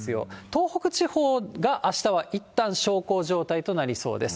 東北地方があしたはいったん小康状態となりそうです。